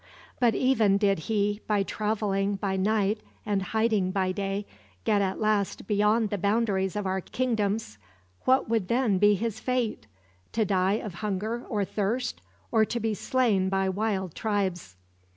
But even did he, by traveling by night and hiding by day, get at last beyond the boundary of our kingdoms, what would then be his fate? To die of hunger or thirst, or to be slain by wild tribes.